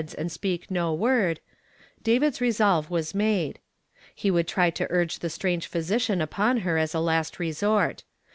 s and speak no woid, David's resolve waa made, lie would try to urge the strange physi cian upon lier as a last nsort.